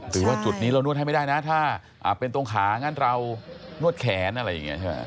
ว่าจุดนี้เรานวดให้ไม่ได้นะถ้าเป็นตรงขางั้นเรานวดแขนอะไรอย่างนี้ใช่ไหม